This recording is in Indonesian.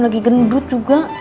lagi gendut juga